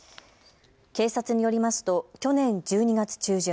警察によりますと去年１２月中旬、